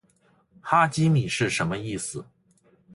哈基米是什么意思？